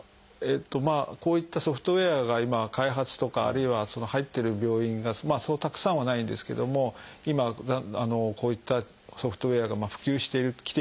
まあこういったソフトウエアが今開発とかあるいは入ってる病院がそうたくさんはないんですけども今こういったソフトウエアが普及してきているという状況です。